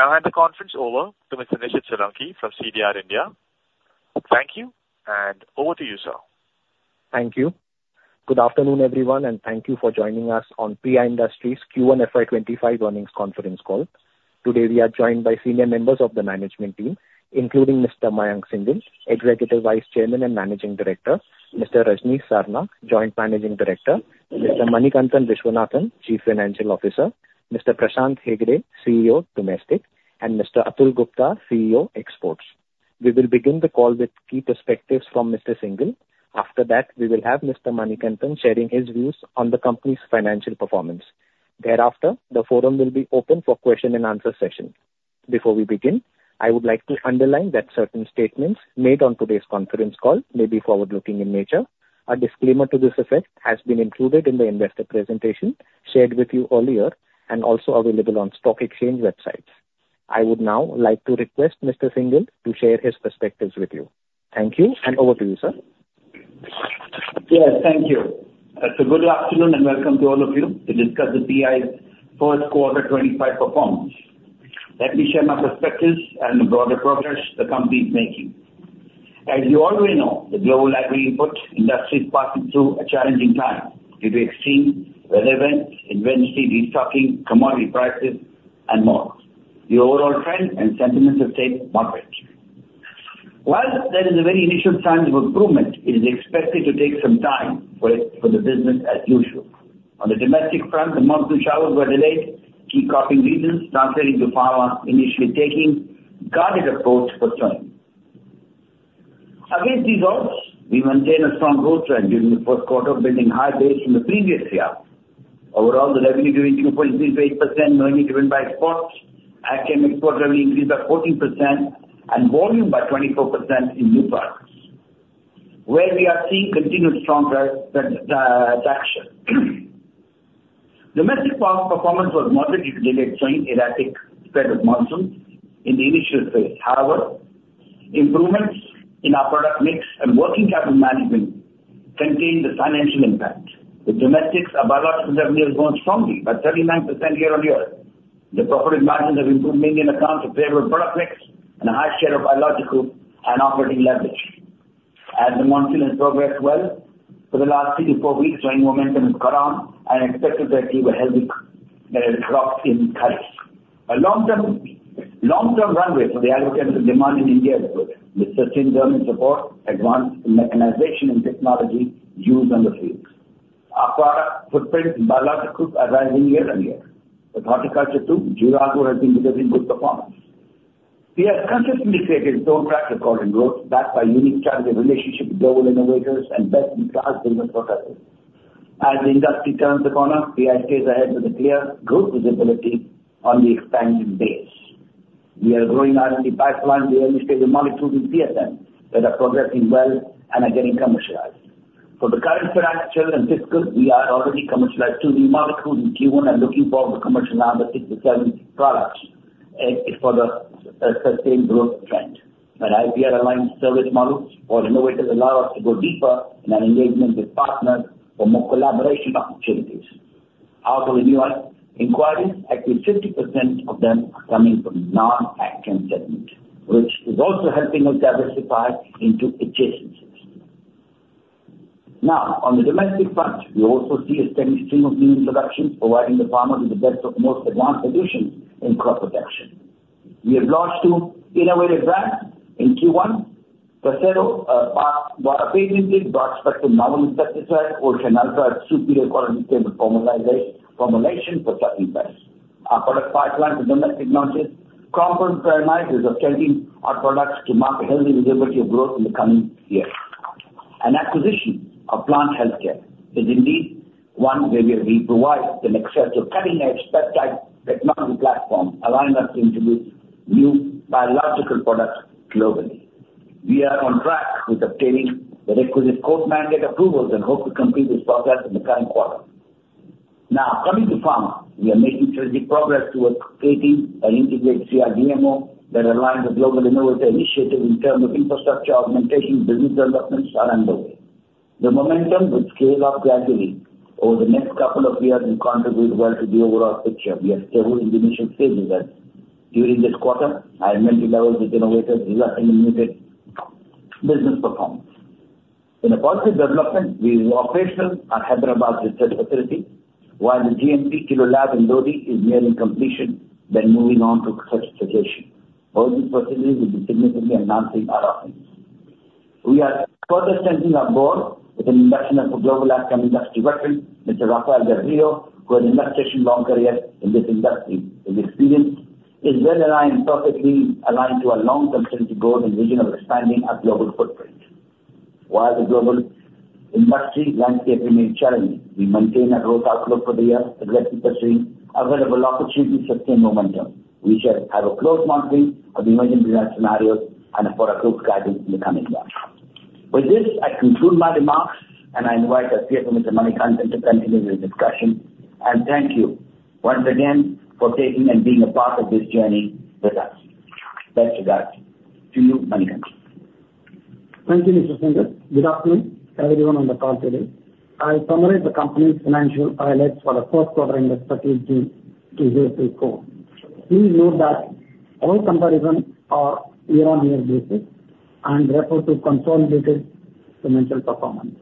I now hand the conference over to Mr. Nishid Solanki from CDR India. Thank you, and over to you, sir. Thank you. Good afternoon, everyone, and thank you for joining us on PI Industries Q1 FY25 Earnings Conference Call. Today, we are joined by senior members of the management team, including Mr. Mayank Singhal, Executive Vice Chairman and Managing Director, Mr. Rajnish Sarna, Joint Managing Director, Mr. Manikantan Viswanathan, Chief Financial Officer, Mr. Prashant Hegde, CEO, Domestic, and Mr. Atul Gupta, CEO, Exports. We will begin the call with key perspectives from Mr. Singhal. After that, we will have Mr. Manikantan sharing his views on the company's financial performance. Thereafter, the forum will be open for question-and-answer session. Before we begin, I would like to underline that certain statements made on today's conference call may be forward-looking in nature. A disclaimer to this effect has been included in the investor presentation shared with you earlier and also available on stock exchange websites. I would now like to request Mr. Singhal to share his perspectives with you. Thank you, and over to you, sir. Yes, thank you. So good afternoon, and welcome to all of you to discuss the PI's first quarter 2025 performance. Let me share my perspectives and the broader progress the company is making. As you already know, the global agri input industry is passing through a challenging time due to extreme weather events, inventory destocking, commodity prices and more. The overall trend and sentiments have stayed moderate. While there is a very initial signs of improvement, it is expected to take some time for it, for the business as usual. On the domestic front, the monsoon showers were delayed, key cropping regions not ready to farmer initially taking guarded approach for sowing. Against these odds, we maintain a strong growth trend during the first quarter, building high base from the previous year. Overall, the revenue grew 24.38%, mainly driven by exports. Agchem export revenue increased by 14% and volume by 24% in new products, where we are seeing continued strong traction. Domestic performance was moderate due to delayed sowing, erratic spread of monsoon in the initial phase. However, improvements in our product mix and working capital management contained the financial impact, with domestics, our biological revenue growing strongly by 39% year-on-year. The profit margins have improved mainly on account of favorable product mix and a high share of biological and operating leverage. As the monsoon has progressed well, for the last 3-4 weeks, rain momentum has caught on and expected that to give a healthy crop in harvest. A long-term runway for the agricultural demand in India is good, with sustained earning support, advanced mechanization and technology used on the fields. Our product footprint in biologicals is rising year-on-year, with horticulture too, Jivagro has been delivering good performance. We have consistently created gold track record in growth, backed by unique strategic relationship with global innovators and best-in-class business processes. As the industry turns the corner, PI stays ahead with a clear growth visibility on the expanding base. We are growing our R&D pipeline, the early-stage molecules in CSM that are progressing well and are getting commercialized. For the current financial and fiscal, we are already commercialized 2 new molecules in Q1 and looking for the commercializing the 6 to 7 products for the sustained growth trend. An IPR-aligned service model for innovators allows us to go deeper in an engagement with partners for more collaboration opportunities. Out of the new inquiries, about 50% of them are coming from non-Agchem segment, which is also helping us diversify into adjacencies. Now, on the domestic front, we also see a steady stream of new introductions, providing the farmer with the best of most advanced solutions in crop protection. We have launched two innovative brands in Q1. PRESSEDO, a patented broad-spectrum insecticide, OSHEEN ULTRA, a superior quality stable formulation for certain pests. Our product pipeline is under technology, crop and parameters is upscaling our products to market healthy visibility of growth in the coming years. Acquisition of Plant Health Care is indeed one where we will provide an access to cutting-edge peptide technology platform, allowing us to introduce new biological products globally. We are on track with obtaining the requisite court mandate approvals and hope to complete this process in the current quarter. Now, coming to pharma, we are making strategic progress towards creating an integrated CRDMO that aligns with global innovator initiative in terms of infrastructure augmentation, business developments are underway. The momentum will scale up gradually over the next couple of years and contribute well to the overall picture. We are still in the initial stages as during this quarter, I have many levels with innovators these are in the music business performance. In a positive development, we are operational at Hyderabad research facility, while the GMP Kilo Lab in Lodi is nearing completion, then moving on to certification. Both these facilities will be significantly enhancing our offerings. We are further strengthening our board with the induction of a global Agchem industry veteran, Mr. Rafael Del Rio, who has an extensive long career in this industry. His experience is well aligned, perfectly aligned to our long-term strategy growth and vision of expanding our global footprint. While the global industry landscape remains challenging, we maintain a growth outlook for the year, aggressively pursuing available opportunities to obtain momentum. We shall have a close monitoring of the emerging business scenarios and for a growth guidance in the coming months. With this, I conclude my remarks, and I invite the CFO, Mr. Manikantan, to continue the discussion, and thank you once again for taking and being a part of this journey with us. Best regards to you, Manikantan. Thank you, Mr. Singhal. Good afternoon, everyone on the call today. I'll summarize the company's financial highlights for the first quarter ended June 30, 2024. Please note that all comparisons are year-on-year basis, and therefore, to consolidated financial performance.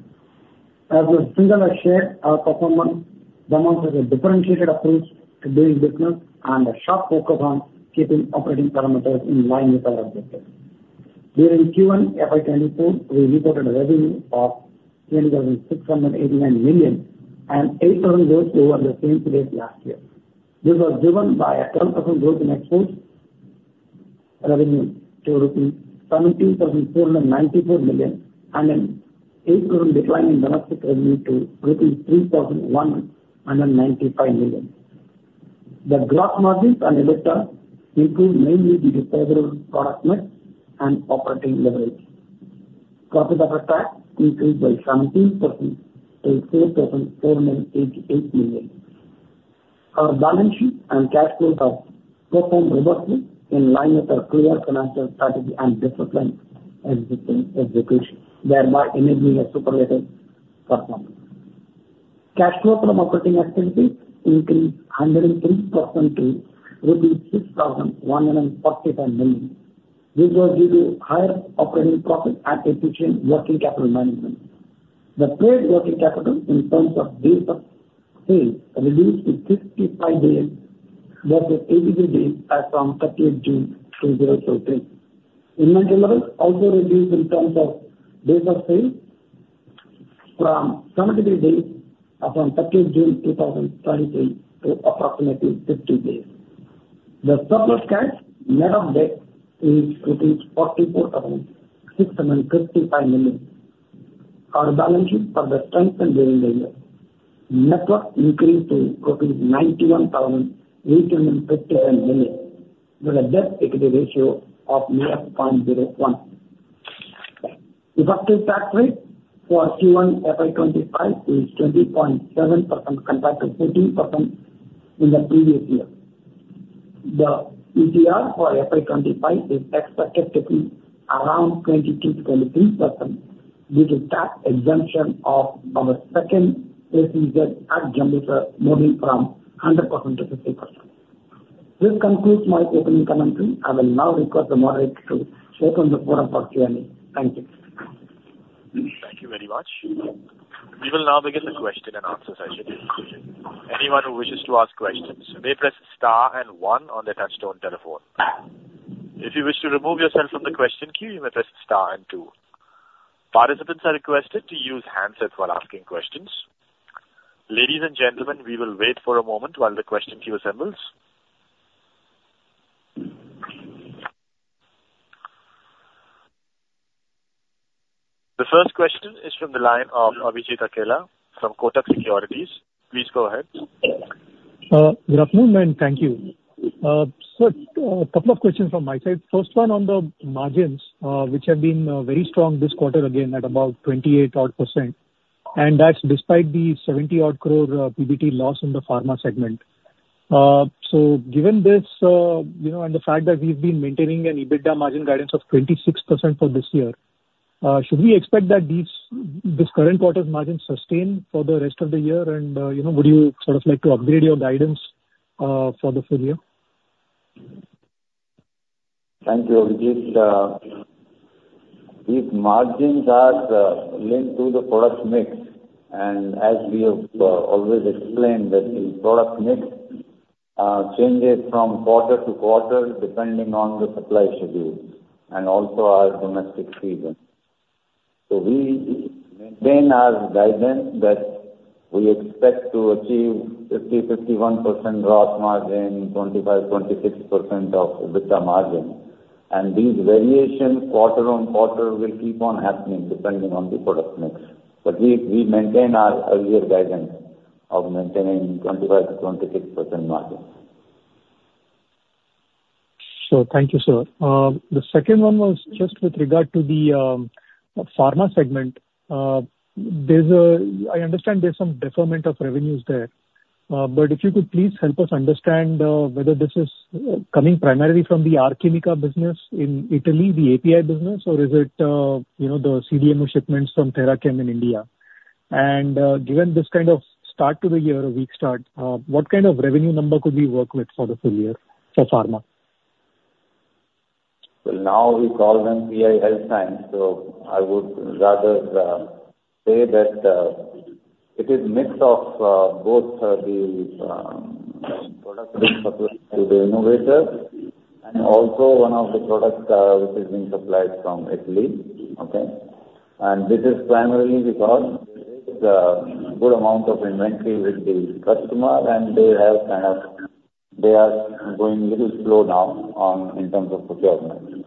As with singular share, our performance demonstrates a differentiated approach to doing business and a sharp focus on keeping operating parameters in line with our objectives. During Q1 FY 2024, we reported a revenue of 10,689 million and 8% growth over the same period last year. This was driven by a 12% growth in exports revenue to INR 7,494 million, and an 8% decline in domestic revenue to INR 3,195 million. The gross margins and EBITDA improved mainly due to favorable product mix and operating leverage. Profit after tax increased by 17% to 87.88 million. Our balance sheet and cash flow have performed favorably in line with our clear financial strategy and disciplined execution, thereby enabling a superior performance. Cash flow from operating activities increased 103% to INR 6,145 million. This was due to higher operating profit and efficient working capital management. The paid working capital in terms of days of sales reduced to 65 days versus 82 days as from 30 June through 14 July. Inventory levels also reduced in terms of days of sales from 72 days as from 30 June 2023 to approximately 50 days. The surplus cash, net of debt, is 44,655 million. Our balance sheet further strengthened during the year. Net worth increased to 91,859 million, with a debt equity ratio of 9.01. Effective tax rate for Q1 FY 2025 is 20.7% compared to 15% in the previous year. The EPS for FY 2025 is expected to be around 22%-23% due to tax exemption of our second SEZ at Jambusar, moving from 100% to 50%. This concludes my opening comments. I will now request the moderator to open the forum for Q&A. Thank you. Thank you very much. We will now begin the question and answer session. Anyone who wishes to ask questions, may press star and one on their touchtone telephone. If you wish to remove yourself from the question queue, you may press star and two. Participants are requested to use handsets while asking questions. Ladies and gentlemen, we will wait for a moment while the question queue assembles. The first question is from the line of Abhijit Akella from Kotak Securities. Please go ahead. Good afternoon, and thank you. So, a couple of questions from my side. First one on the margins, which have been very strong this quarter again, at about 28-odd%, and that's despite the 70-odd crore PBT loss in the pharma segment. So given this, you know, and the fact that we've been maintaining an EBITDA margin guidance of 26% for this year, should we expect that these, this current quarter's margins sustain for the rest of the year? And, you know, would you sort of like to upgrade your guidance for the full year? Thank you, Abhijit. These margins are linked to the product mix, and as we have always explained, that the product mix changes from quarter to quarter, depending on the supply schedule and also our domestic season. So we maintain our guidance that we expect to achieve 50%-51% gross margin, 25%-26% of EBITDA margin, and these variations quarter-over-quarter will keep on happening depending on the product mix. But we maintain our earlier guidance of maintaining 25%-26% margin. Sure. Thank you, sir. The second one was just with regard to the pharma segment. I understand there's some deferment of revenues there, but if you could please help us understand whether this is coming primarily from the Archimica business in Italy, the API business, or is it, you know, the CDMO shipments from Therachem in India? And given this kind of start to the year, a weak start, what kind of revenue number could we work with for the full year for pharma? Well, now we call them PI Health Sciences, so I would rather say that it is mix of both the products being supplied to the innovator, and also one of the products which is being supplied from Italy, okay? And this is primarily because there is a good amount of inventory with the customer, and they have kind of... They are going a little slow now on, in terms of procurement.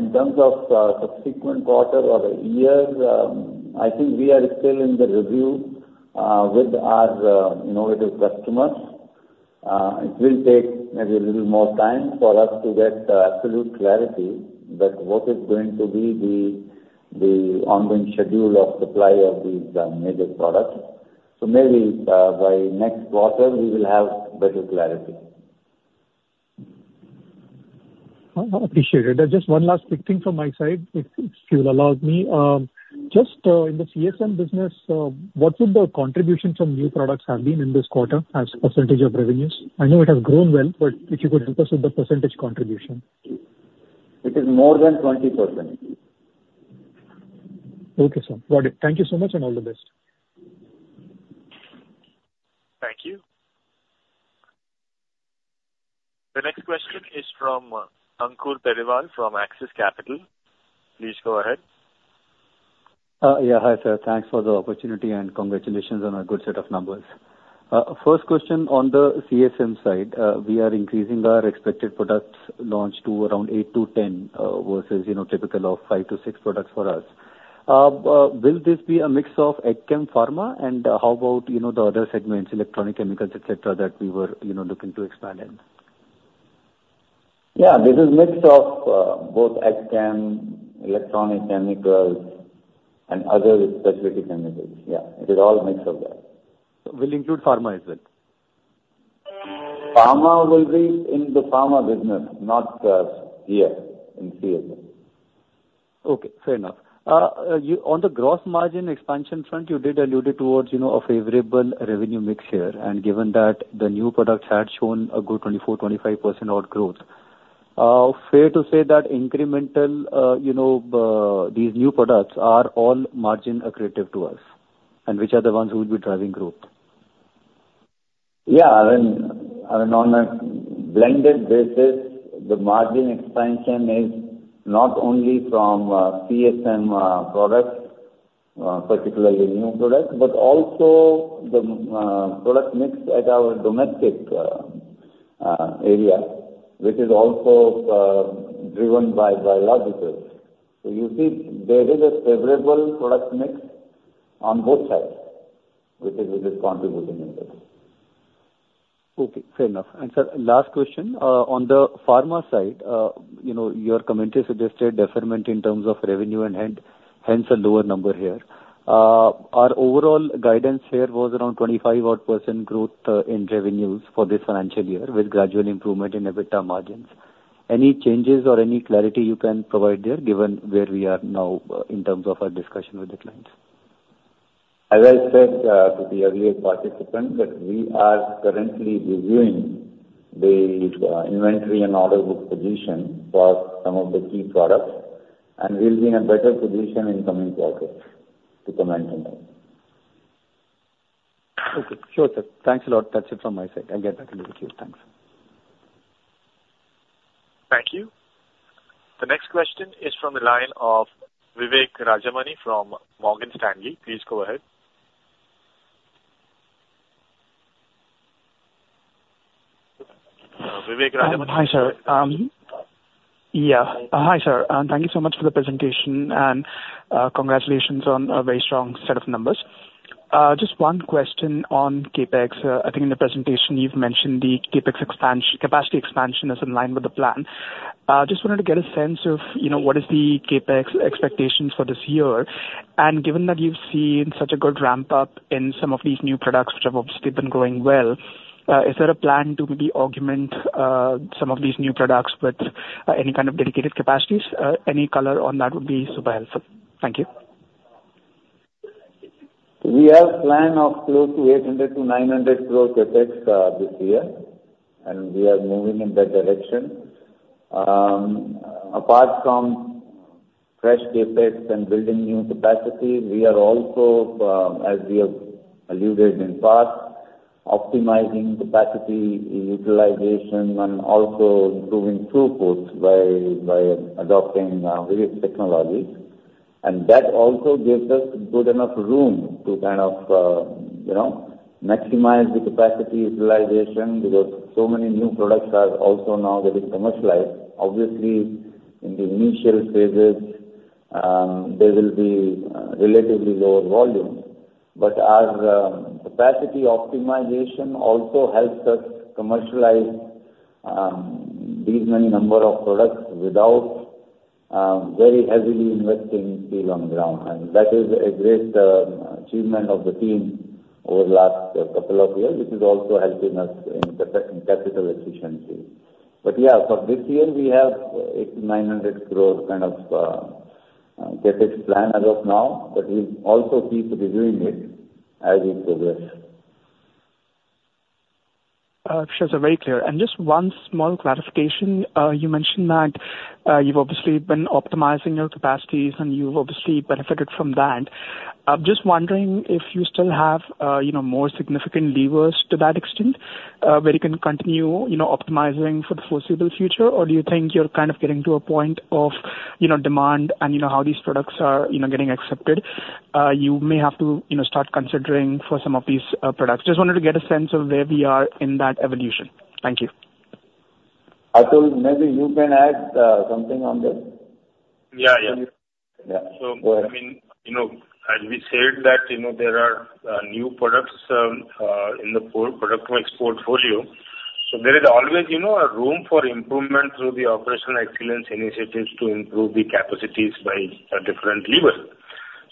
In terms of subsequent quarter or the year, I think we are still in the review with our innovative customers. It will take maybe a little more time for us to get absolute clarity that what is going to be the, the ongoing schedule of supply of these major products. So maybe by next quarter, we will have better clarity. I appreciate it. Just one last quick thing from my side, if you will allow me. Just, in the CSM business, what would the contribution from new products have been in this quarter as percentage of revenues? I know it has grown well, but if you could help us with the percentage contribution. It is more than 20%. Okay, sir. Got it. Thank you so much, and all the best. Thank you. The next question is from Ankur Periwal from Axis Capital. Please go ahead. Yeah, hi, sir. Thanks for the opportunity, and congratulations on a good set of numbers. First question on the CSM side, we are increasing our expected products launch to around 8-10, versus, you know, typical of 5-6 products for us. But will this be a mix of Agchem Pharma, and how about, you know, the other segments, electronic, chemicals, et cetera, that we were, you know, looking to expand in? Yeah, this is mix of, both Agchem, electronic, chemicals, and other specialty chemicals. Yeah, it is all mix of that. Will include pharma as well? Pharma will be in the pharma business, not here in CSM. Okay, fair enough. You on the gross margin expansion front, you did allude towards, you know, a favorable revenue mix here, and given that the new products had shown a good 24%-25% odd growth, fair to say that incremental, you know, these new products are all margin accretive to us, and which are the ones which will be driving growth? Yeah, I mean, on a blended basis, the margin expansion is not only from CSM products, particularly new products, but also the product mix at our domestic area, which is also driven by biological. So you see, there is a favorable product mix on both sides, which is contributing into this. Okay, fair enough. And sir, last question. On the pharma side, you know, your commentary suggested deferment in terms of revenue, and hence, hence a lower number here. Our overall guidance here was around 25 odd % growth in revenues for this financial year, with gradual improvement in EBITDA margins. Any changes or any clarity you can provide there, given where we are now in terms of our discussion with the clients? As I said, to the earlier participant, that we are currently reviewing the inventory and order book position for some of the key products, and we'll be in a better position in coming quarters to comment on that. Okay. Sure, sir. Thanks a lot. That's it from my side. I get back into the queue. Thanks. Thank you. The next question is from the line of Vivek Rajamani from Morgan Stanley. Please go ahead. Vivek Rajamani? Hi, sir. Hi, sir, and thank you so much for the presentation, and congratulations on a very strong set of numbers. Just one question on CapEx. I think in the presentation you've mentioned the CapEx capacity expansion is in line with the plan. I just wanted to get a sense of, you know, what is the CapEx expectations for this year, and given that you've seen such a good ramp-up in some of these new products which have obviously been growing well, is there a plan to maybe augment some of these new products with any kind of dedicated capacities? Any color on that would be super helpful. Thank you. We have plan of close to 800-900 crore CapEx this year, and we are moving in that direction. Apart from fresh CapEx and building new capacity, we are also, as we have alluded in past, optimizing capacity utilization and also improving throughput by adopting various technologies. And that also gives us good enough room to kind of, you know, maximize the capacity utilization, because so many new products are also now getting commercialized. Obviously, in the initial phases, there will be relatively lower volume, but our capacity optimization also helps us commercialize these many number of products without very heavily investing still on the ground. And that is a great achievement of the team over the last couple of years, which is also helping us in the capital efficiency. Yeah, for this year, we have 800 crore-900 crore kind of CapEx plan as of now, but we'll also keep reviewing it as we progress. Sure, sir, very clear. And just one small clarification. You mentioned that you've obviously been optimizing your capacities, and you've obviously benefited from that. I'm just wondering if you still have, you know, more significant levers to that extent, where you can continue, you know, optimizing for the foreseeable future, or do you think you're kind of getting to a point of, you know, demand and you know, how these products are, you know, getting accepted? You may have to, you know, start considering for some of these products. Just wanted to get a sense of where we are in that evolution. Thank you. Atul, maybe you can add something on this? Yeah, yeah. Yeah. So- Go ahead. I mean, you know, as we said, that, you know, there are new products in the product portfolio, so there is always, you know, a room for improvement through the operational excellence initiatives to improve the capacities by a different lever.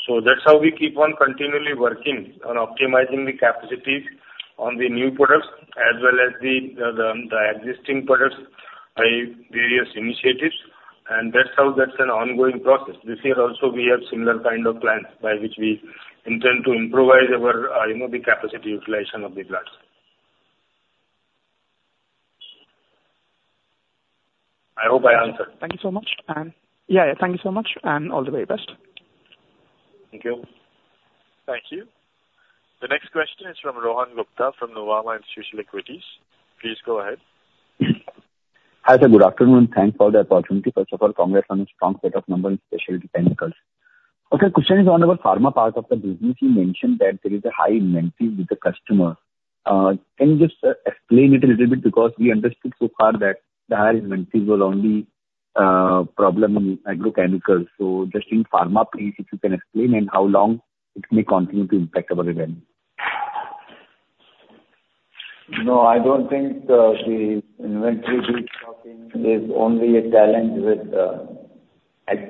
So that's how we keep on continually working on optimizing the capacities on the new products, as well as the existing products by various initiatives, and that's how that's an ongoing process. This year also, we have similar kind of plans by which we intend to improve our, you know, the capacity utilization of the plants. I hope I answered. Thank you so much. Yeah, thank you so much, and all the very best. Thank you. Thank you. The next question is from Rohan Gupta of Nuvama Institutional Equities. Please go ahead. Hi, sir. Good afternoon, and thanks for the opportunity. First of all, congrats on the strong set of numbers, especially chemicals. Okay, question is one about pharma part of the business. You mentioned that there is a high inventory with the customer. Can you just explain it a little bit? Because we understood so far that the higher inventories were only problem in agrochemicals. So just in pharma, please, if you can explain and how long it may continue to impact our revenue. No, I don't think the inventory is only a challenge with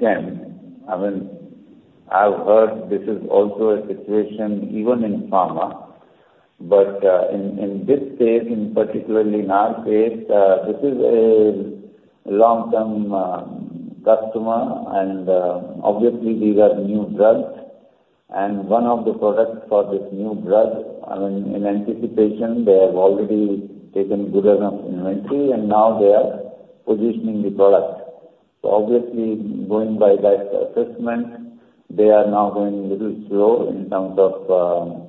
them. I mean, I've heard this is also a situation even in pharma, but in this case, and particularly in our case, this is a long-term customer, and obviously, these are new drugs. And one of the products for this new drug, I mean, in anticipation, they have already taken good enough inventory, and now they are positioning the product. So obviously, going by that assessment, they are now going a little slow in terms of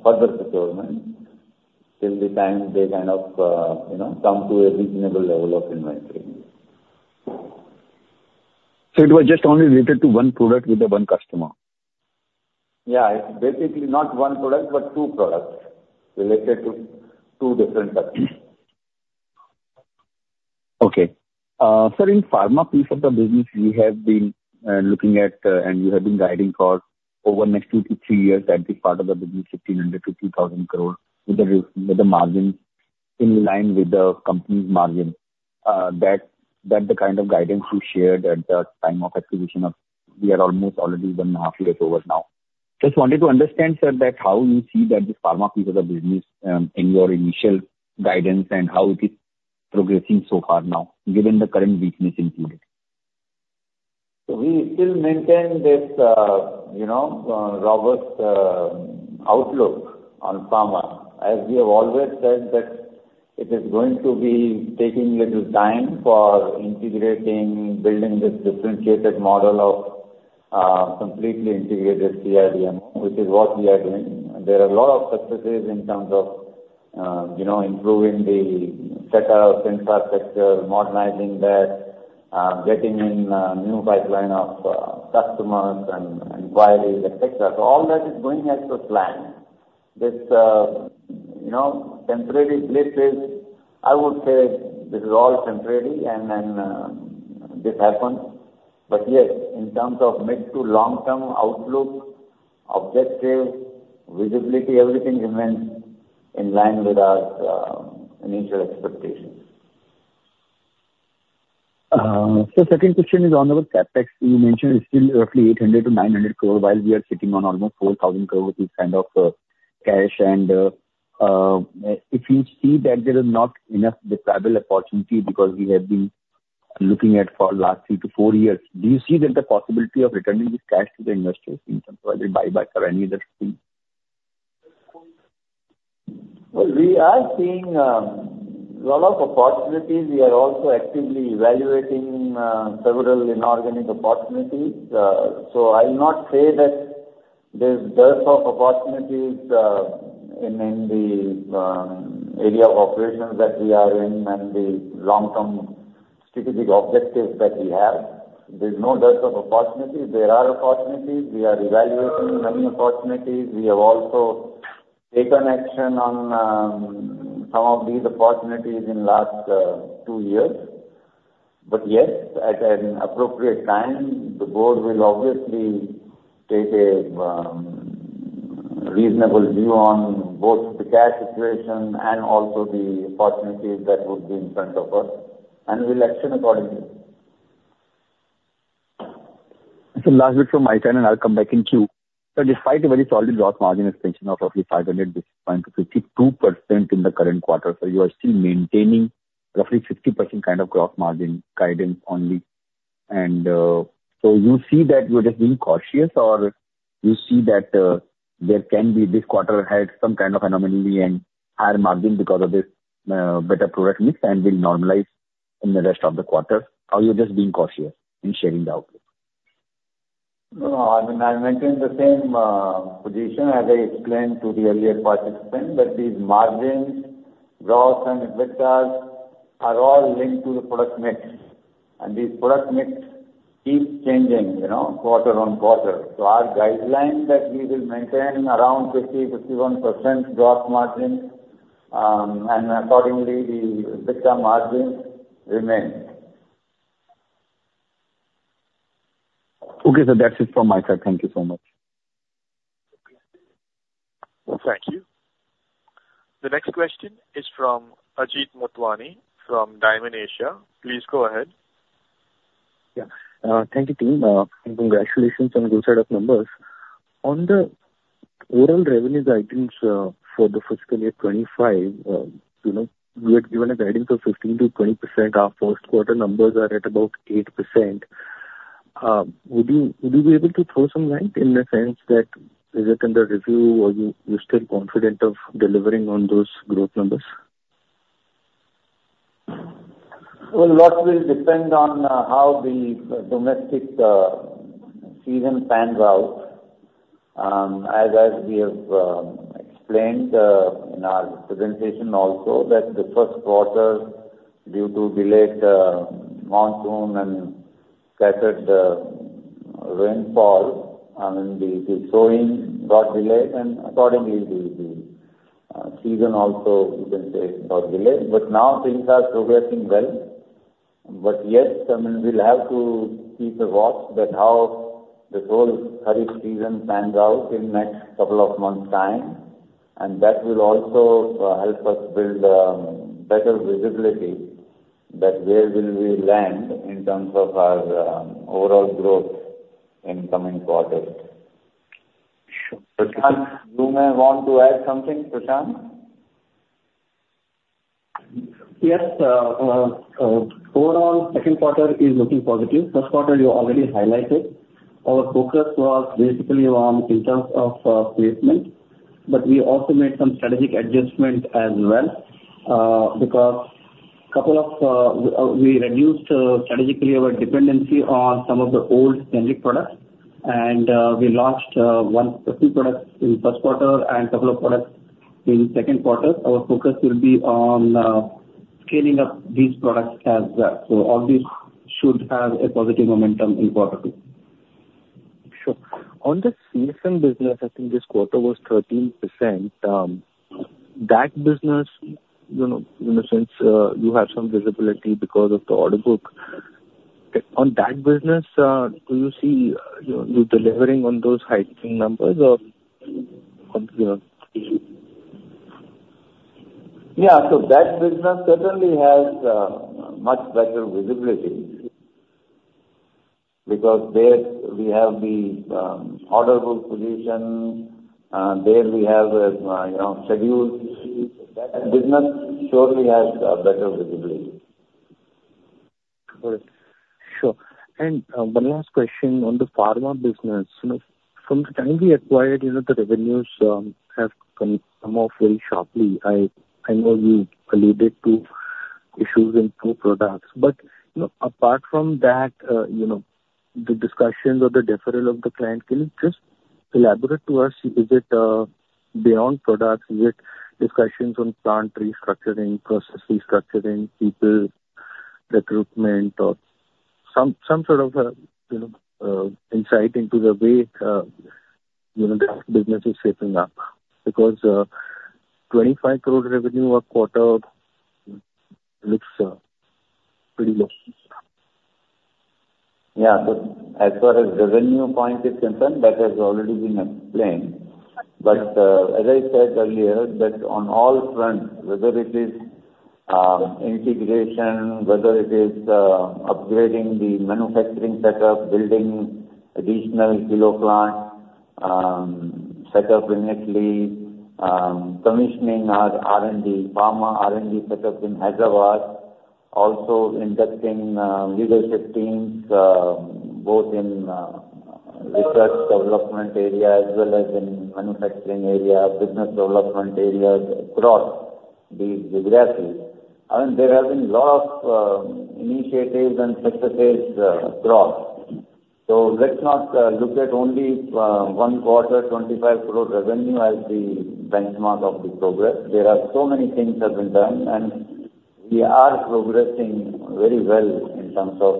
further procurement till the time they kind of you know come to a reasonable level of inventory. It was just only related to one product with the one customer? Yeah, it's basically not one product, but two products related to two different customers. Okay. Sir, in pharma piece of the business, we have been looking at, and we have been guiding for over the next two to three years, that this part of the business, 1,500-2,000 crores, with the margin in line with the company's margin. That the kind of guidance you shared at the time of acquisition of, we are almost already one half year over now. Just wanted to understand, sir, that how you see that this pharma piece of the business, in your initial guidance and how it is progressing so far now, given the current weakness in pharma? So we still maintain this, you know, robust outlook on pharma. As we have always said that it is going to be taking a little time for integrating, building this differentiated model of completely integrated CRDM, which is what we are doing. There are a lot of successes in terms of, you know, improving the setup, infrastructure, modernizing that, getting in a new pipeline of customers and inquiries, et cetera. So all that is going as per plan. This, you know, temporary glitch is, I would say this is all temporary and then this happens. But yes, in terms of mid to long-term outlook, objectives, visibility, everything remains in line with our initial expectations. So second question is on the CapEx. You mentioned it's still roughly 800 crore-900 crore, while we are sitting on almost 4,000 crores of kind of cash. And if you see that there is not enough desirable opportunity, because we have been looking at for last 3-4 years, do you see that the possibility of returning this cash to the investors in terms of either buyback or any other thing? Well, we are seeing a lot of opportunities. We are also actively evaluating several inorganic opportunities. So I'll not say that there's a dearth of opportunities in the area of operations that we are in and the long-term strategic objectives that we have. There's no dearth of opportunities. There are opportunities. We are evaluating many opportunities. We have also taken action on some of these opportunities in the last two years. But yes, at an appropriate time, the board will obviously take a reasonable view on both the cash situation and also the opportunities that would be in front of us, and we'll action accordingly. So last bit from my side, and I'll come back in queue. So despite a very solid gross margin expansion of roughly 500 basis points to 52% in the current quarter, so you are still maintaining roughly 50% kind of gross margin guidance only. And, so you see that you are just being cautious, or you see that, there can be this quarter had some kind of anomaly and higher margin because of this, better product mix and will normalize in the rest of the quarter, or you're just being cautious in sharing the outlook? No, I mean, I maintain the same position as I explained to the earlier participant, that these margins, gross and EBITDA, are all linked to the product mix. The product mix keeps changing, you know, quarter on quarter. So our guideline that we will maintain around 50-51% gross margin, and accordingly, the EBITDA margin remains. Okay, so that's it from my side. Thank you so much. Thank you. The next question is from Ajit Motwani from Dymon Asia. Please go ahead. Yeah. Thank you, team, and congratulations on good set of numbers. On the overall revenue guidance, for the fiscal year 2025, you know, you had given a guidance of 15%-20%. Our first quarter numbers are at about 8%. Would you, would you be able to throw some light in the sense that is it under review, or you, you still confident of delivering on those growth numbers? Well, a lot will depend on how the domestic season pans out. As we have explained in our presentation also, that the first quarter, due to delayed monsoon and scattered rainfall, I mean, the season also, you can say, got delayed. But now things are progressing well. But yes, I mean, we'll have to keep a watch that how this whole Kharif season pans out in next couple of months' time, and that will also help us build better visibility that where will we land in terms of our overall growth in coming quarters. Prashant, you may want to add something, Prashant? Yes, overall, second quarter is looking positive. First quarter, you already highlighted. Our focus was basically on in terms of placement, but we also made some strategic adjustment as well, because a couple of we reduced strategically our dependency on some of the old generic products, and we launched a few products in first quarter and a couple of products in second quarter. Our focus will be on scaling up these products as well. So all these should have a positive momentum in quarter two. Sure. On the CSM business, I think this quarter was 13%. That business, you know, in the sense, you have some visibility because of the order book. On that business, do you see you, you delivering on those high numbers or, you know? Yeah. So that business certainly has much better visibility, because there we have the order book position, there we have, you know, schedules. That business surely has better visibility. Got it. Sure. And, one last question on the pharma business. You know, from the time we acquired, you know, the revenues have come off very sharply. I know you alluded to issues in two products, but, you know, apart from that, you know, the discussions or the deferral of the client, can you just elaborate to us, is it beyond products? Is it discussions on plant restructuring, process restructuring, people recruitment or some sort of insight into the way that business is shaping up? Because, twenty-five crore revenue a quarter looks pretty low. Yeah. So as far as revenue point is concerned, that has already been explained. But, as I said earlier, that on all fronts, whether it is, integration, whether it is, upgrading the manufacturing setup, building additional kilo plant, set up initially, commissioning our R&D, pharma R&D setups in Hyderabad, also investing, leadership teams, both in, research development area as well as in manufacturing area, business development areas across the geography. I mean, there have been lot of, initiatives and successes, across. So let's not, look at only, one quarter, 25 crore revenue as the benchmark of the progress. There are so many things have been done, and we are progressing very well in terms of,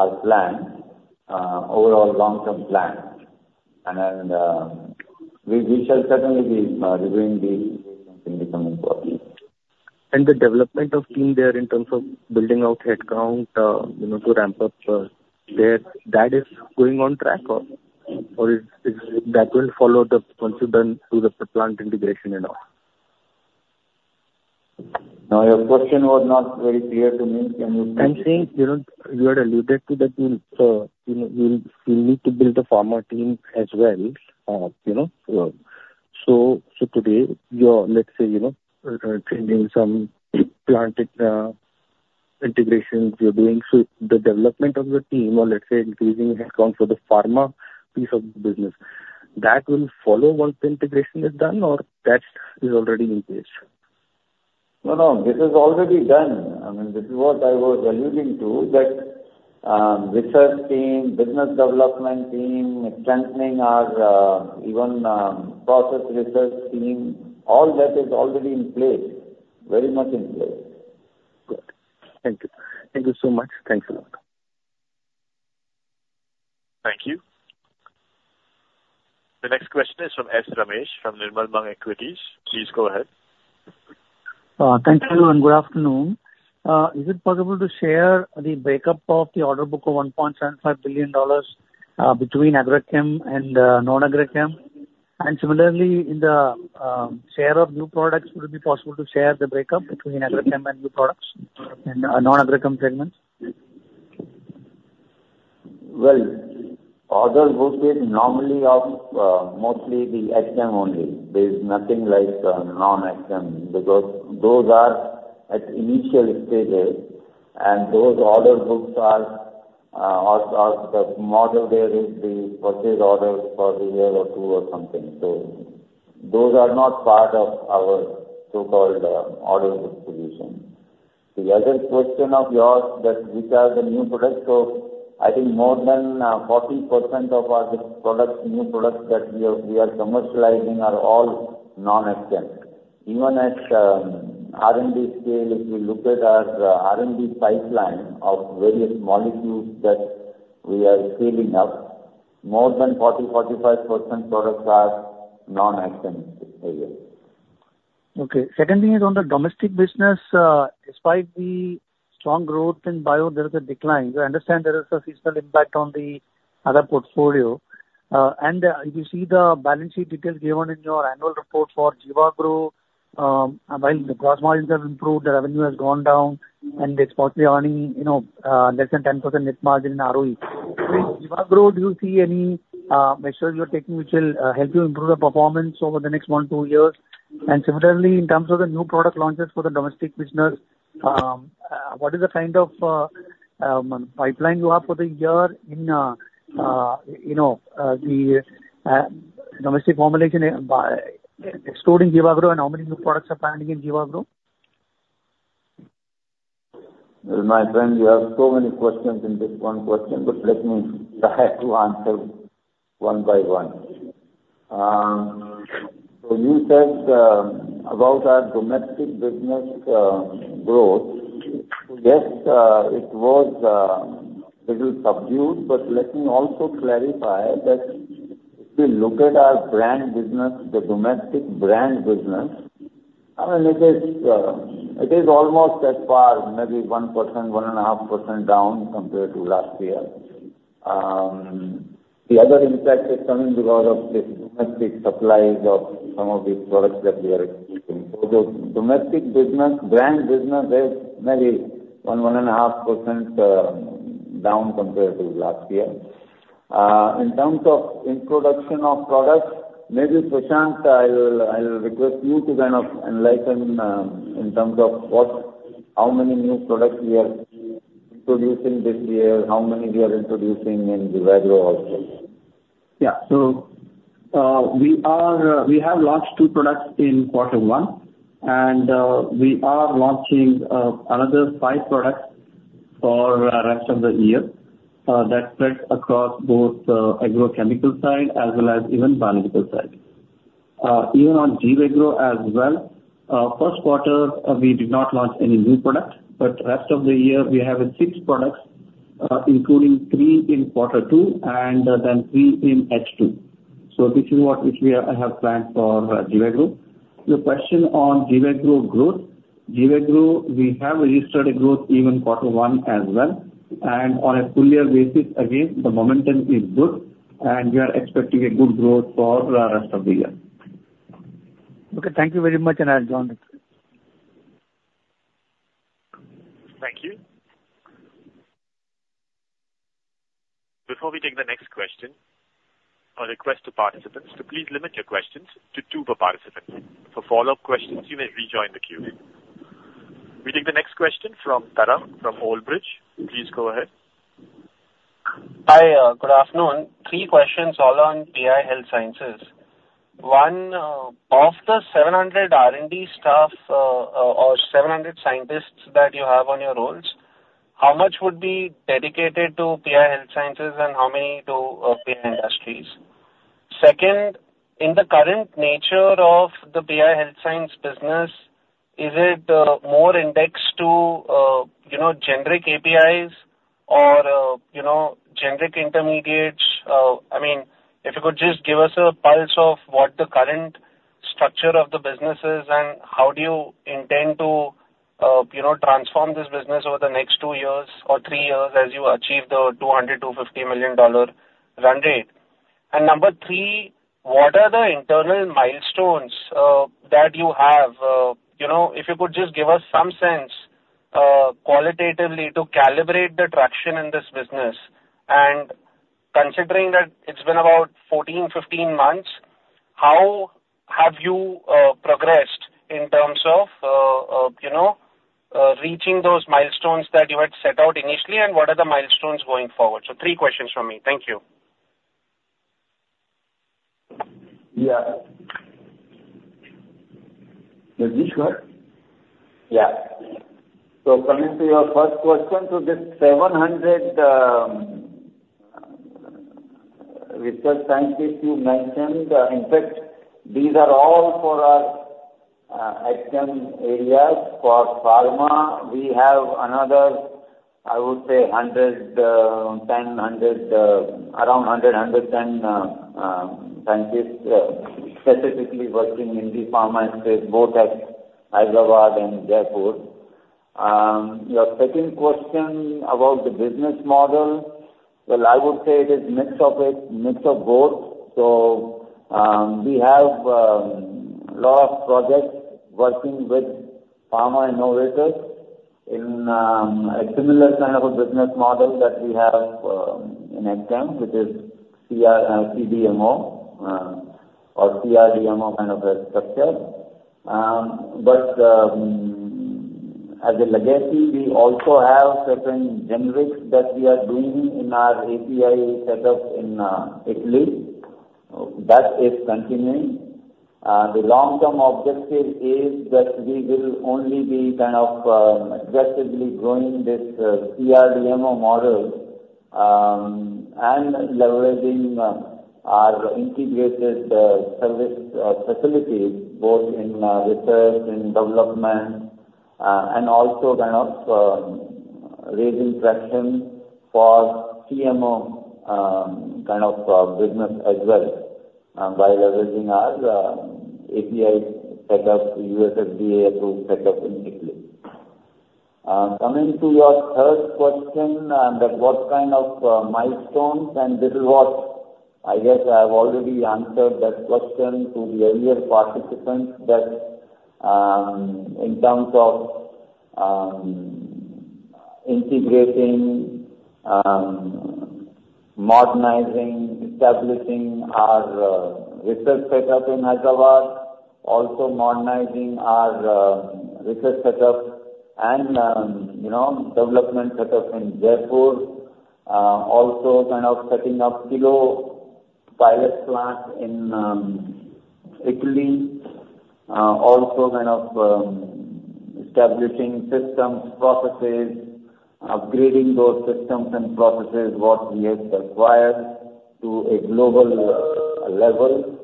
our plan, overall long-term plan. And, we, we shall certainly be, reviewing the in the coming quarters. The development of team there in terms of building out headcount, you know, to ramp up, there, that is going on track or, or is, is, that will follow the once you're done through the plant integration and all? No, your question was not very clear to me. Can you- I'm saying, you know, you had alluded to that, you know, you'll need to build a pharma team as well, you know, so today, you're, let's say, you know, trending some plant integrations you're doing. So the development of the team or let's say, increasing headcount for the pharma piece of the business, that will follow once the integration is done or that is already in place? No, no, this is already done. I mean, this is what I was alluding to, that, research team, business development team, strengthening our, even, process research team, all that is already in place. Very much in place. Good. Thank you. Thank you so much. Thanks a lot. Thank you. The next question is from S. Ramesh, from Nirmal Bang Equities. Please go ahead. Thank you, and good afternoon. Is it possible to share the breakup of the order book of $1.75 billion, between agrochem and non-agrochem? And similarly, in the share of new products, would it be possible to share the breakup between agrochem and new products, and non-agrochem segments? Well, order book is normally of mostly the Agchem only. There is nothing like non-Agchem, because those are at initial stages, and those order books are more like there are the purchase orders for a year or two or something. So those are not part of our so-called order book solution. The other question of yours, that which are the new products. So I think more than 40% of our products, new products, that we are commercializing are all non-Agchem. Even at R&D scale, if you look at our R&D pipeline of various molecules that we are scaling up, more than 40%-45% products are non-Agchem areas. Okay. Secondly, is on the domestic business, despite the strong growth in bio, there is a decline. We understand there is a seasonal impact on the other portfolio. And if you see the balance sheet details given in your annual report for Jivagro, while the gross margins have improved, the revenue has gone down, and it's mostly earning, you know, less than 10% net margin in ROE. With Jivagro, do you see any measures you are taking which will help you improve the performance over the next 1-2 years? Similarly, in terms of the new product launches for the domestic business, what is the kind of pipeline you have for the year in, you know, the domestic formulation, by excluding Jivagro, and how many new products are planning in Jivagro? Well, my friend, you have so many questions in this one question, but let me try to answer one by one. So you said, about our domestic business, growth. Yes, it was, little subdued, but let me also clarify that if you look at our brand business, the domestic brand business, I mean, it is, it is almost as far, maybe 1%, 1.5% down compared to last year. The other impact is coming because of this domestic supplies of some of these products that we are keeping. So the domestic business, brand business is maybe 1, 1.5%, down compared to last year. In terms of introduction of products, maybe, Prashant, I will request you to kind of enlighten in terms of what, how many new products we are introducing this year, how many we are introducing in Jivagro also. Yeah. So, we are, we have launched 2 products in quarter one, and, we are launching, another 5 products for the rest of the year, that spread across both the agrochemical side as well as even biological side. Even on Jivagro as well, first quarter, we did not launch any new product, but rest of the year we have 6 products, including 3 in quarter two and then 3 in H2. So this is what, which we are, have planned for Jivagro. Your question on Jivagro growth. Jivagro, we have registered a growth even quarter one as well, and on a full year basis, again, the momentum is good, and we are expecting a good growth for the rest of the year. Okay, thank you very much, and I have done it. Thank you. Before we take the next question, a request to participants to please limit your questions to two per participant. For follow-up questions, you may rejoin the queue. We take the next question from Tarang, from Old Bridge. Please go ahead. Hi, good afternoon. Three questions, all on PI Health Sciences. One, of the 700 R&D staff, or 700 scientists that you have on your rolls, how much would be dedicated to PI Health Sciences and how many to, PI Industries? Second, in the current nature of the PI Health Sciences business, is it, more indexed to, you know, generic APIs or, you know, generic intermediates? I mean, if you could just give us a pulse of what the current structure of the business is, and how do you intend to, you know, transform this business over the next two years or three years as you achieve the $200-$250 million run rate. And number three, what are the internal milestones, that you have? You know, if you could just give us some sense, qualitatively to calibrate the traction in this business. Considering that it's been about 14, 15 months, how have you progressed in terms of, you know, reaching those milestones that you had set out initially, and what are the milestones going forward? So 3 questions from me. Thank you. Yeah. Is this clear? Yeah. So coming to your first question, so this 700 research scientists you mentioned, in fact, these are all for our Agchem areas. For pharma, we have another. I would say around 110 scientists, specifically working in the pharma space, both at Hyderabad and Jaipur. Your second question about the business model, well, I would say it is mix of it, mix of both. So, we have lot of projects working with pharma innovators in a similar kind of a business model that we have in Agchem, which is CRDMO or CDMO kind of a structure. But, as a legacy, we also have certain generics that we are doing in our API setup in Italy. That is continuing. The long-term objective is that we will only be kind of aggressively growing this CRDMO model and leveraging our integrated service facilities both in research in development and also kind of raising traction for CMO kind of business as well by leveraging our API setup, USFDA approved setup in Italy. Coming to your third question, that what kind of milestones, I guess I've already answered that question to the earlier participants, that, in terms of, integrating, modernizing, establishing our research setup in Hyderabad, also modernizing our research setup and, you know, development setup in Jaipur, also kind of setting up kilo pilot plant in Italy, also kind of establishing systems, processes, upgrading those systems and processes, what we have acquired to a global level.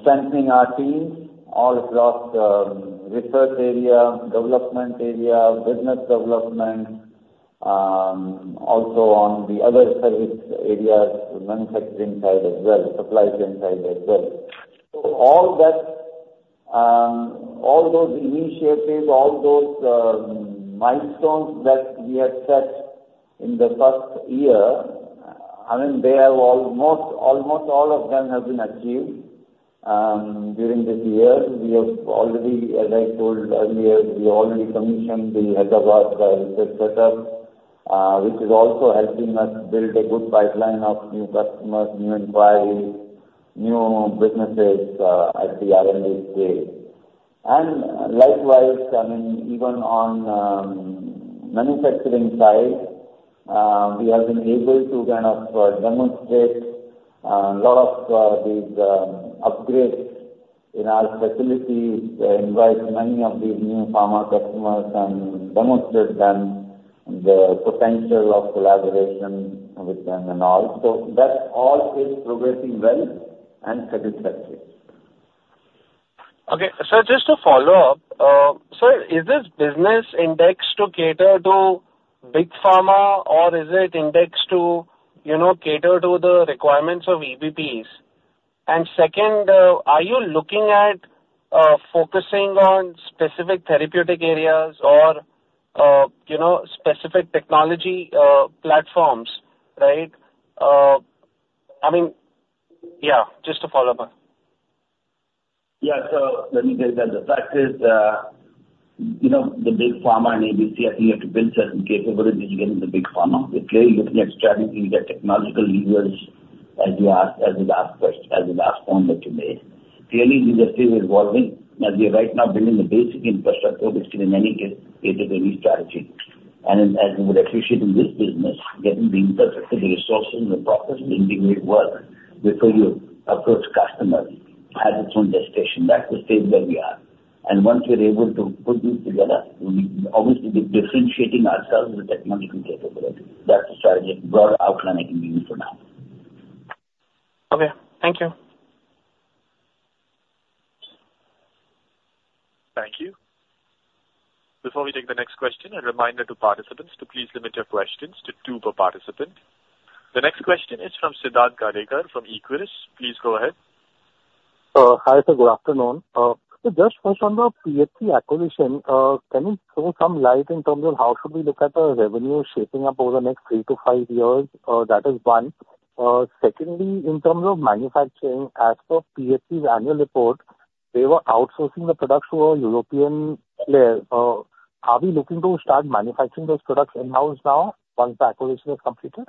Strengthening our team all across research area, development area, business development, also on the other service areas, manufacturing side as well, supply chain side as well. So all that, all those initiatives, all those, milestones that we had set in the first year, I mean, they have almost, almost all of them have been achieved. During this year, we have already, as I told earlier, we already commissioned the Hyderabad research setup, which is also helping us build a good pipeline of new customers, new inquiries, new businesses, at the R&D stage. And likewise, I mean, even on, manufacturing side, we have been able to kind of demonstrate lot of these upgrades in our facilities, invite many of these new pharma customers and demonstrate them the potential of collaboration with them and all. So that all is progressing well and satisfactory. Okay. So just to follow up, sir, is this business indexed to cater to big pharma, or is it indexed to, you know, cater to the requirements of EBPs? And second, are you looking at, focusing on specific therapeutic areas or, you know, specific technology, platforms, right? I mean, yeah, just to follow up. Yeah. So let me take that. The fact is, you know, the big pharma and EBPs, I think you have to build certain capabilities to get into the big pharma. We're clearly looking at strategy, that technological levers, as you asked, as you last asked, as the last point that you made. Clearly, the industry is evolving, as we are right now building the basic infrastructure, which can then get into any strategy. And as you would appreciate in this business, getting the infrastructure, the resources, and the processes integrated work before you approach customers, has its own destination. That's the stage where we are. And once we're able to put this together, we obviously be differentiating ourselves with technological capabilities. That's the strategic broad outline I can give you for now. Okay, thank you. Thank you. Before we take the next question, a reminder to participants to please limit your questions to two per participant. The next question is from Siddharth Gadekar from Equirus. Please go ahead. Hi, sir. Good afternoon. So just first on the PHC acquisition, can you throw some light in terms of how should we look at the revenue shaping up over the next three to five years? That is one. Secondly, in terms of manufacturing, as per PHC's annual report, they were outsourcing the products to a European player. Are we looking to start manufacturing those products in-house now, once the acquisition is completed?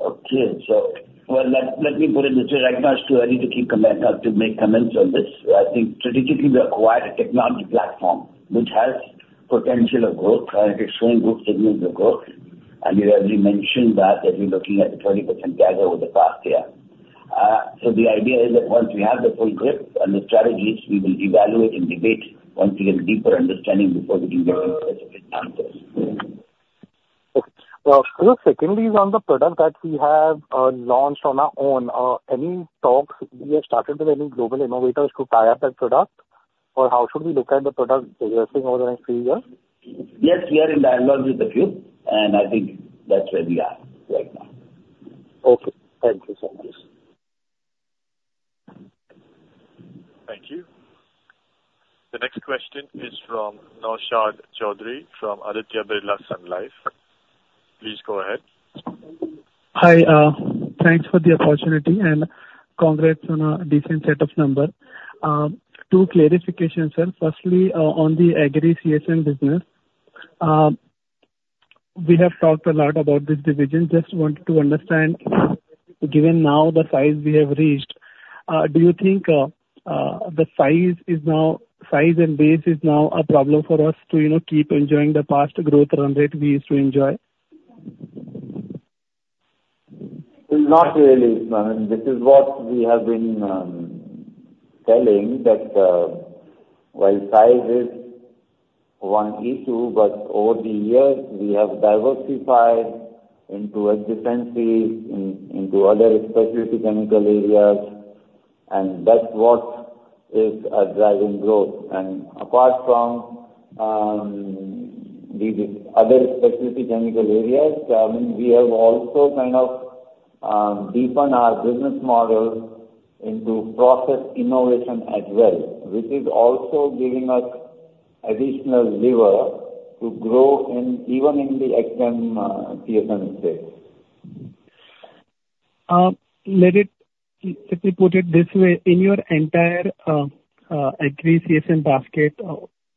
Okay. So well, let me put it this way. Right now, it's too early to comment, to make comments on this. I think strategically we acquired a technology platform which has potential of growth, and it's showing good signals of growth. And we've already mentioned that we're looking at a 20% CAGR over the past year. So the idea is that once we have the full grip on the strategies, we will evaluate and debate once we get a deeper understanding before we can give you specific answers. Sir, secondly, on the product that we have launched on our own, any talks we have started with any global innovators to tie up that product? Or how should we look at the product progressing over the next three years? Yes, we are in dialogue with a few, and I think that's where we are right now. Okay. Thank you so much. Thank you. The next question is from Naushad Chaudhary from Aditya Birla Sun Life. Please go ahead. Hi, thanks for the opportunity, and congrats on a decent set of number. Two clarifications, sir. Firstly, on the Agri CSM business, we have talked a lot about this division. Just wanted to understand, given now the size we have reached, do you think, the size is now, size and base is now a problem for us to, you know, keep enjoying the past growth run rate we used to enjoy? Not really, Naushad. This is what we have been telling, that while size is one issue, but over the years, we have diversified into adjacencies into other specialty chemical areas, and that's what is driving growth. And apart from the other specialty chemical areas, we have also kind of deepened our business model into process innovation as well, which is also giving us additional lever to grow in even in the existing CSM space. Let me put it this way: In your entire Agri CSM basket,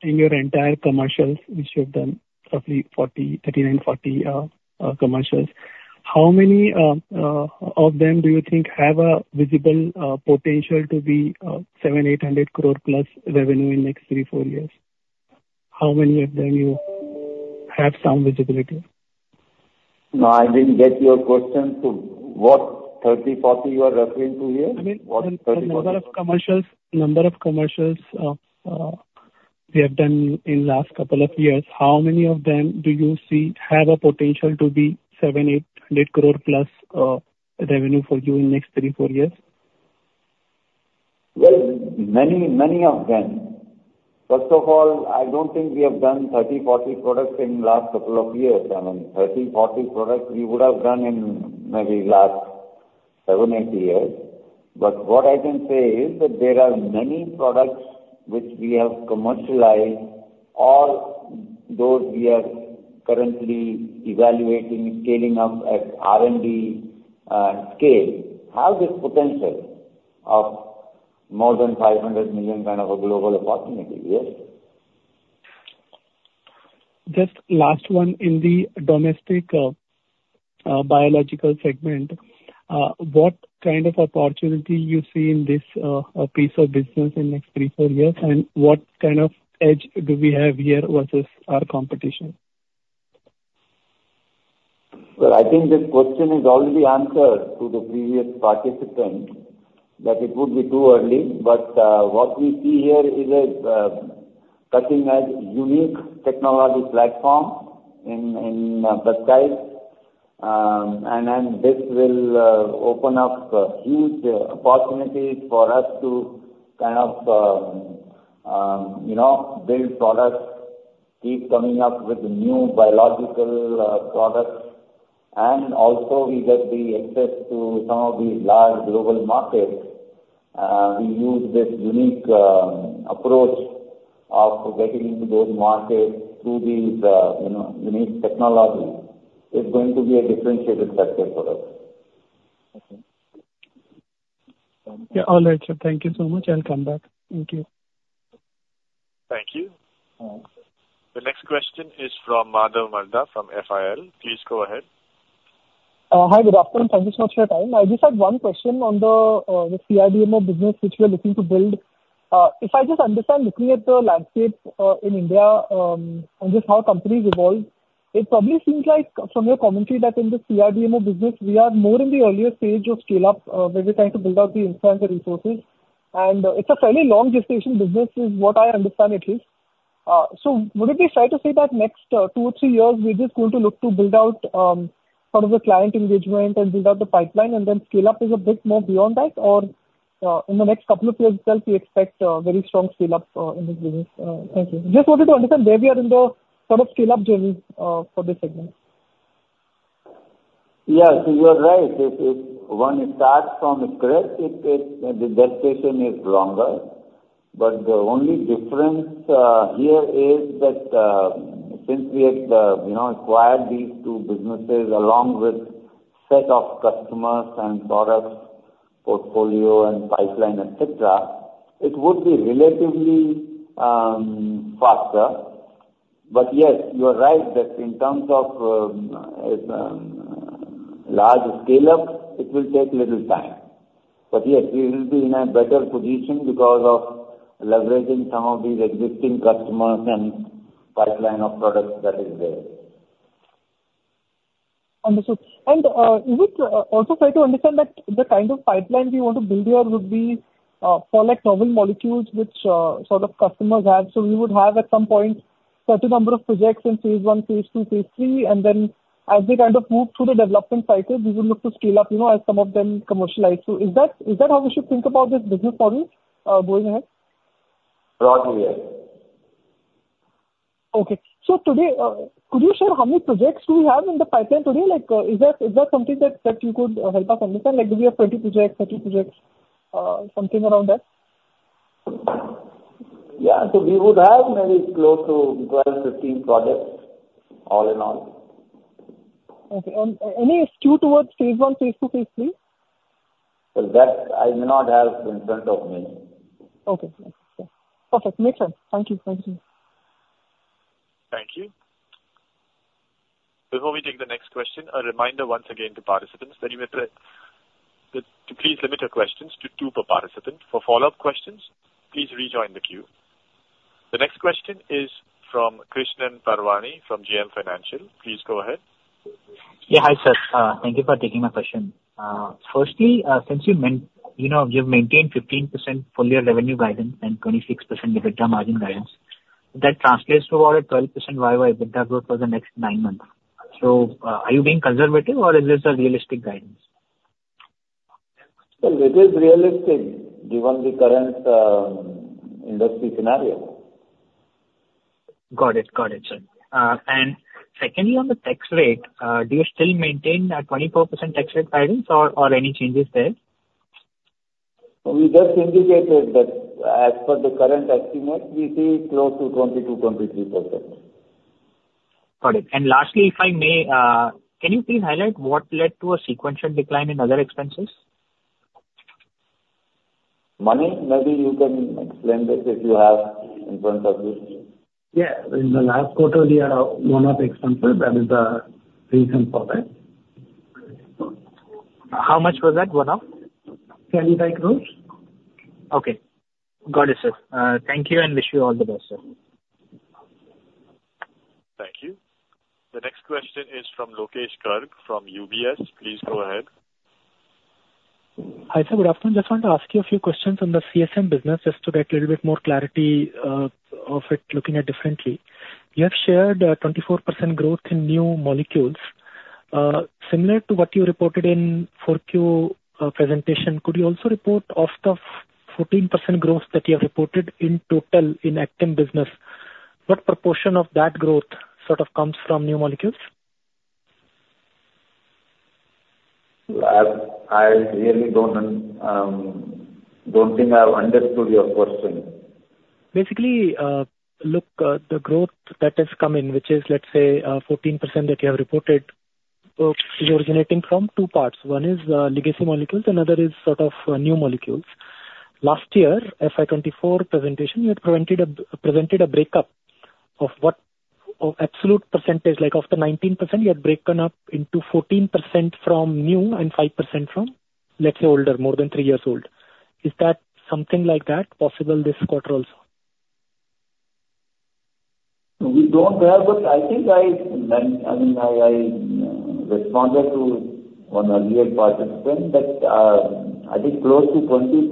in your entire commercials, you should have done roughly 40, 39, 40 commercials. How many of them do you think have a visible potential to be 700 crore-800 crore plus revenue in next 3-4 years? How many of them you have some visibility? No, I didn't get your question. So what, 30, 40 you are referring to here? I mean- What 30, 40? The number of commercials we have done in last couple of years, how many of them do you see have a potential to be 700-800 crore plus revenue for you in next 3-4 years? Well, many, many of them. First of all, I don't think we have done 30, 40 products in last couple of years. I mean, 30, 40 products we would have done in maybe last 7, 8 years. But what I can say is that there are many products which we have commercialized, or those we are currently evaluating, scaling up at R&D scale, have this potential of more than 500 million, kind of a global opportunity, yes. Just last one. In the domestic, biological segment, what kind of opportunity you see in this, piece of business in next 3-4 years? And what kind of edge do we have here versus our competition? Well, I think this question is already answered to the previous participant, that it would be too early. But, what we see here is a cutting-edge, unique technology platform in peptides. And then this will open up huge opportunities for us to kind of, you know, build products, keep coming up with new biological products. And also we get the access to some of these large global markets. We use this unique approach of getting into those markets through these, you know, unique technology. It's going to be a differentiated sector for us. Okay. Yeah, all right, sir. Thank you so much. I'll come back. Thank you. Thank you. The next question is from Madhav Marda from FIL. Please go ahead. Hi, good afternoon. Thank you so much for your time. I just had one question on the, the CRDMO business which you are looking to build. If I just understand, looking at the landscape, in India, and just how companies evolve, it probably seems like from your commentary, that in the CRDMO business, we are more in the earlier stage of scale-up, where we're trying to build out the infrastructure resources. It's a fairly long gestation business, is what I understand at least. So would it be fair to say that next, two or three years, we're just going to look to build out, sort of the client engagement and build out the pipeline, and then scale-up is a bit more beyond that? Or, in the next couple of years itself, we expect very strong scale-up in this business. Thank you. Just wanted to understand where we are in the sort of scale-up journey for this segment. Yes, you are right. If one starts from scratch, the gestation is longer. But the only difference here is that since we have you know acquired these two businesses, along with set of customers and products, portfolio and pipeline, et cetera, it would be relatively faster. But yes, you are right that in terms of large scale-up, it will take little time. But yes, we will be in a better position because of leveraging some of these existing customers and pipeline of products that is there. Understood. And, is it, also try to understand that the kind of pipeline we want to build here would be, for, like, novel molecules which, sort of customers have. So we would have, at some point, certain number of projects in phase one, phase two, phase three, and then as we kind of move through the development cycle, we would look to scale up, you know, as some of them commercialize. So is that, is that how we should think about this business model, going ahead? Broadly, yes. Okay. So today, could you share how many projects do we have in the pipeline today? Like, is that, is that something that, that you could, help us understand? Like, do we have 20 projects, 30 projects, something around that? Yeah. So we would have maybe close to 12-15 projects, all in all. Okay. And any skew towards phase one, phase two, phase three? Well, that I may not have in front of me. Okay, yes. Perfect, makes sense. Thank you. Thank you. Thank you. Before we take the next question, a reminder once again to participants, that you may press to please limit your questions to two per participant. For follow-up questions, please rejoin the queue. The next question is from Krishan Parwani from JM Financial. Please go ahead. Yeah, hi, sir. Thank you for taking my question. Firstly, since you maintained—you know, you've maintained 15% full year revenue guidance and 26% EBITDA margin guidance, that translates to about a 12% YY EBITDA growth for the next nine months. So, are you being conservative or is this a realistic guidance? Well, it is realistic, given the current industry scenario. Got it. Got it, sir. And secondly, on the tax rate, do you still maintain that 24% tax rate guidance or, or any changes there? We just indicated that as per the current estimate, we see close to 22-23%. Got it. And lastly, if I may, can you please highlight what led to a sequential decline in other expenses? Manik, maybe you can explain this if you have in front of you. Yeah. In the last quarter, we had a one-off expense there. That is the reason for that. How much was that one-off? Twenty-five crores. Okay, got it, sir. Thank you and wish you all the best, sir. Thank you. The next question is from Lokesh Garg from UBS. Please go ahead. Hi, sir, good afternoon. Just wanted to ask you a few questions on the CSM business, just to get a little bit more clarity of it, looking at differently. You have shared 24% growth in new molecules. Similar to what you reported in 4Q presentation, could you also report off the 14% growth that you have reported in total in Agchem business? What proportion of that growth sort of comes from new molecules? I really don't think I've understood your question. Basically, look, the growth that has come in, which is, let's say, 14% that you have reported, is originating from two parts. One is, legacy molecules, another is sort of, new molecules. Last year, FY 2024 presentation, you had presented a breakup of what... Of absolute percentage, like of the 19%, you had broken up into 14% from new and 5% from, let's say, older, more than three years old. Is that something like that possible this quarter also? We don't have, but I think I mean, I responded to one earlier participant that I think close to 20%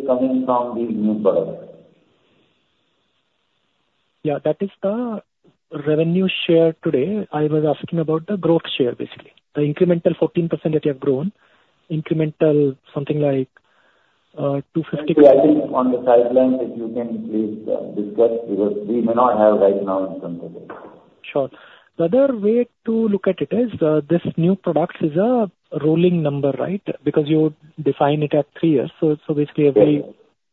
is coming from the new product. Yeah, that is the revenue share today. I was asking about the growth share, basically. The incremental 14% that you have grown, incremental something like, 250- Maybe I think on the sideline, if you can please discuss, because we may not have right now in front of us. Sure. The other way to look at it is, this new products is a rolling number, right? Because you define it at three years, so basically- Yes. Every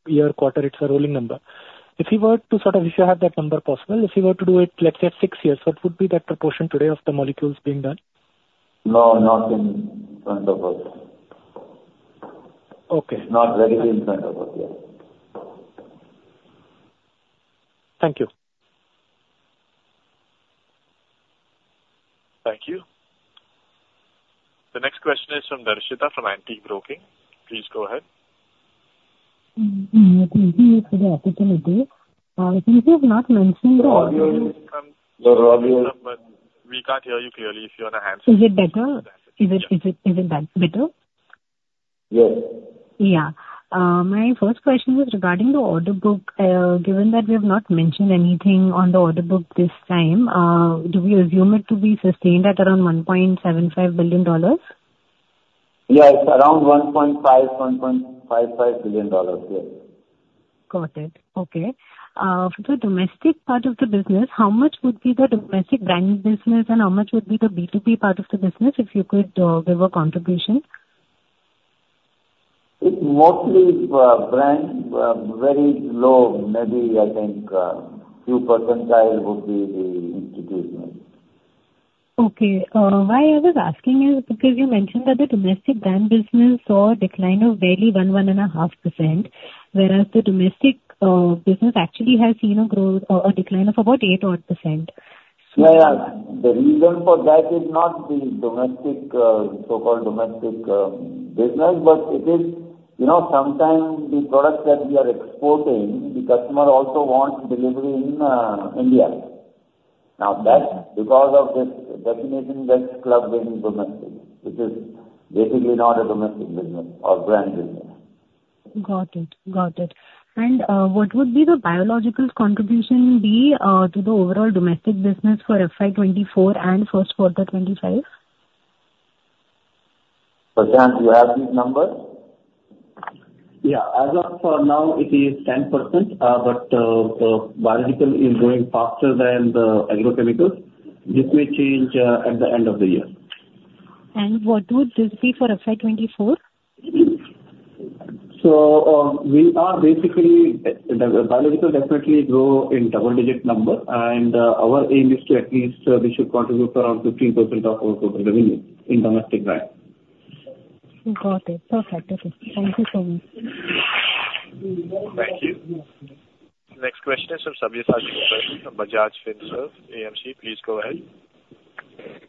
year quarter, it's a rolling number. If you have that number possible, if you were to do it, let's say six years, what would be that proportion today of the molecules being done? No, not in front of us. Okay. Not readily in front of us, yeah. Thank you. Thank you. The next question is from Darshita from Antique Broking. Please go ahead. Since you have not mentioned- The audio is come... The audio- We can't hear you clearly. If you want to hang on- Is it better? Is it that better? Yes. Yeah. My first question was regarding the order book. Given that we have not mentioned anything on the order book this time, do we assume it to be sustained at around $1.75 billion? Yes, around $1.5 billion-$1.55 billion, yes. Got it. Okay. For the domestic part of the business, how much would be the domestic brand business, and how much would be the B2B part of the business, if you could give a contribution? It's mostly brand, very low, maybe I think few percentile would be the institutional. Okay. Why I was asking is because you mentioned that the domestic brand business saw a decline of barely 1%-1.5%, whereas the domestic business actually has seen a growth, or a decline of about 8-odd%. Yeah, yeah. The reason for that is not the domestic, so-called domestic, business, but it is... You know, sometimes the products that we are exporting, the customer also wants delivery in India. Now, that's because of this destination gets clubbed in domestic, which is basically not a domestic business or brand business. Got it. Got it. And, what would be the biological contribution be to the overall domestic business for FY 2024 and first quarter 2025? Prashant, do you have these numbers? Yeah. As of for now, it is 10%. But the biological is growing faster than the agrochemicals. This may change at the end of the year. What would this be for FY 2024? We are basically the biological definitely grow in double-digit number, and our aim is to at least we should contribute for up to 3% of our total revenue in domestic brand. Got it. Perfect. Okay. Thank you so much. Thank you. Next question is from Sabyasachi Mukerji from Bajaj Finserv AMC. Please go ahead.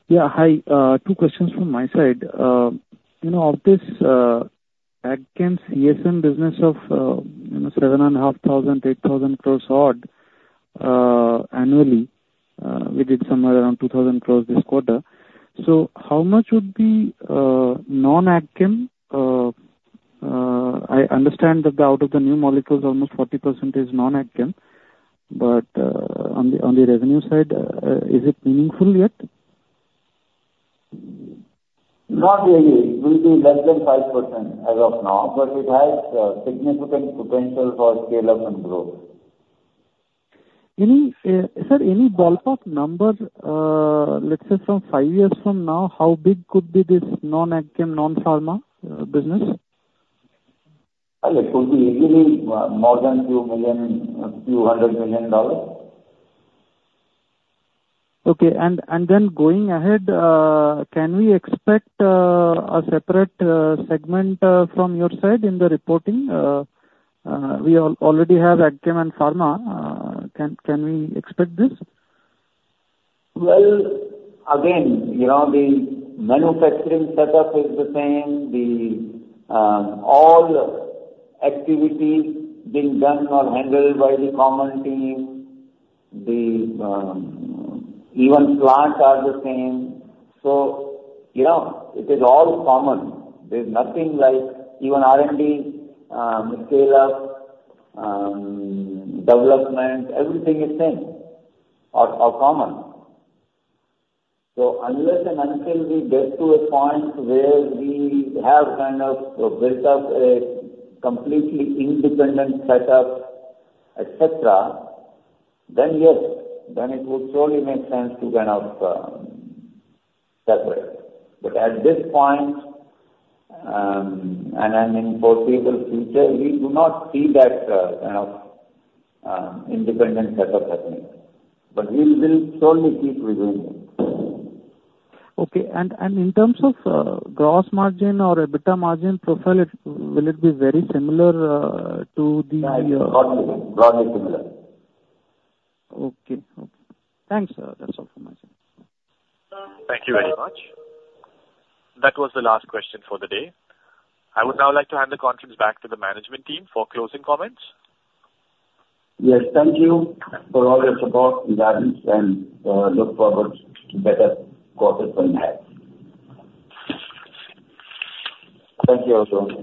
Yeah, hi. Two questions from my side. You know, of this, AgChem CSM business of, you know, seven and a half thousand to eight thousand crores odd, annually, we did somewhere around two thousand crores this quarter. So how much would be, non-AgChem? I understand that out of the new molecules, almost 40% is non-AgChem, but, on the, on the revenue side, is it meaningful yet? Not really. It will be less than 5% as of now, but it has significant potential for scale-up and growth. Any, sir, any ballpark number, let's say from five years from now, how big could be this non-AgChem, non-pharma, business? It could be easily more than $2 million, a few hundred million dollars. Okay. And then going ahead, can we expect a separate segment from your side in the reporting? We already have AgChem and pharma. Can we expect this? Well, again, you know, the manufacturing setup is the same. The all activities being done or handled by the common team, the even plants are the same. So, you know, it is all common. There's nothing like even R&D, scale-up, development, everything is same or, or common. So unless and until we get to a point where we have kind of built up a completely independent setup, et cetera, then yes, then it would surely make sense to kind of separate. But at this point, and, and in foreseeable future, we do not see that kind of independent setup happening. But we will surely keep reviewing it. Okay. In terms of gross margin or EBITDA margin profile, will it be very similar to the Yeah, broadly, broadly similar. Okay. Okay. Thanks, sir. That's all from my side. Thank you very much. That was the last question for the day. I would now like to hand the conference back to the management team for closing comments. Yes, thank you for all your support and guidance and, look forward to better quarter from here. Thank you also.